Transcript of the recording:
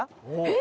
え！？